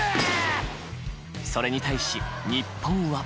それに対し、日本は。